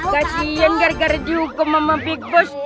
kasihan gara gara dihukum sama big boss